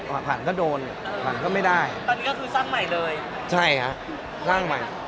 ผ่านก็โดนผ่านก็ไม่ได้ตอนนี้ก็คือสร้างใหม่เลยใช่ฮะสร้างใหม่